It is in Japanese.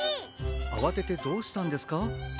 あわててどうしたんですか？